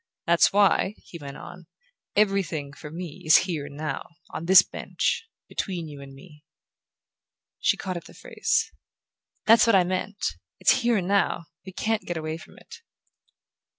"That's why," he went on, "'everything,' for me, is here and now: on this bench, between you and me." She caught at the phrase. "That's what I meant: it's here and now; we can't get away from it."